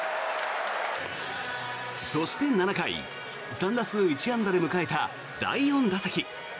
そして、７回３打数１安打で迎えた第４打席。